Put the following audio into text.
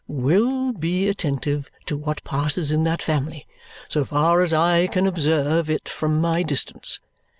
" will be attentive to what passes in that family, so far as I can observe it from my distance.